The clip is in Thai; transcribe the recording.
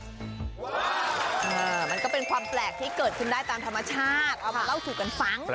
มันก็เป็นความแปลกที่เกิดขึ้นได้ตามธรรมชาติเอามาเล่าสู่กันฟัง